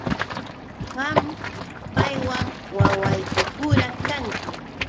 Qam paywan wawqipura kanki.